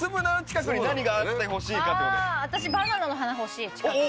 近くに私バナナの花欲しい。